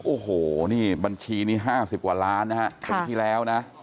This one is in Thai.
โอ้โหนี่บัญชีนี้ห้าสิบกว่าล้านนะฮะค่ะตอนที่แล้วนะ